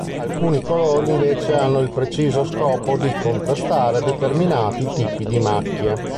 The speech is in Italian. Alcuni colori invece hanno il preciso scopo di contrastare determinati tipi di macchie.